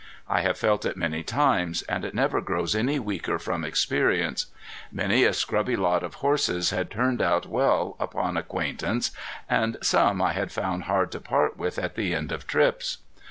I have felt it many times, and it never grows any weaker from experience. Many a scrubby lot of horses had turned out well upon acquaintance, and some I had found hard to part with at the end of trips.